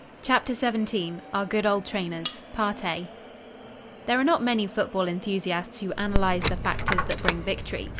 CHAPTER XVII OUR GOOD OLD TRAINERS There are not many football enthusiasts who analyze the factors that bring victory.